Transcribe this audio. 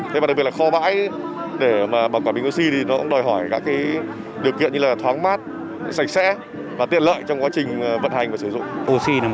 thế mà đặc biệt là kho bãi để mà bảo quản bình oxy thì nó cũng đòi hỏi các cái điều kiện như là thoáng mát sạch sẽ và tiện lợi trong quá trình vận hành và sử dụng